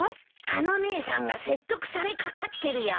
あの姉さんが説得されかかってるよ。